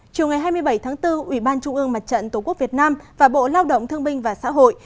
chiều ngày hai mươi bảy tháng bốn ủy ban trung ương mặt trận tổ quốc việt nam và bộ lao động thương binh và xã hội